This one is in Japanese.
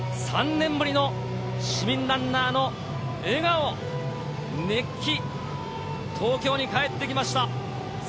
３年ぶりの市民ランナーの笑顔、熱気が東京に帰ってきました。